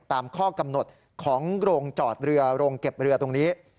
ตามข้อกำหนดของโรงจอดเรือโรงเก็บเรือตรงนี้